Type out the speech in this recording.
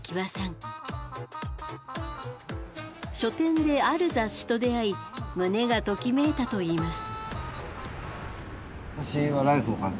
書店である雑誌と出会い胸がときめいたと言います。